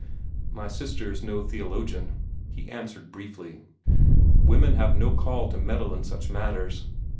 "My sister is no theologian," he answered briefly. "Women have no call to meddle with such matters.